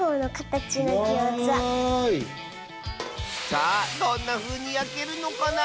さあどんなふうにやけるのかな？